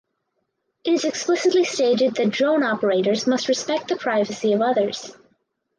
It is explicitly stated that drone operators must respect the privacy of others.